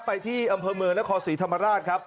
ไปที่อำเภอเมืองนครศรีธรรมราชครับ